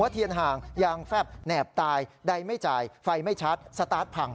เทียนห่างยางแฟบแนบตายใดไม่จ่ายไฟไม่ชัดสตาร์ทพัง